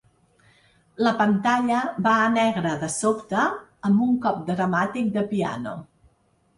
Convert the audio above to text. La pantalla va a negre de sobte, amb un cop dramàtic de piano.